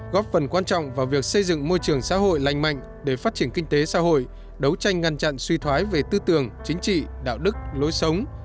góp phần quan trọng vào việc xây dựng môi trường xã hội lành mạnh để phát triển kinh tế xã hội đấu tranh ngăn chặn suy thoái về tư tưởng chính trị đạo đức lối sống